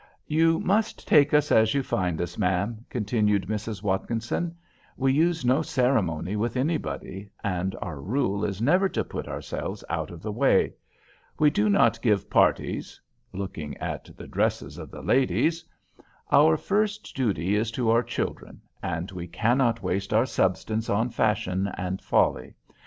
"You must take us as you find us, ma'am," continued Mrs. Watkinson. "We use no ceremony with anybody; and our rule is never to put ourselves out of the way. We do not give parties [looking at the dresses of the ladies]. Our first duty is to our children, and we cannot waste our substance on fashion and folly.